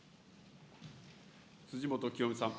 辻元清美さん。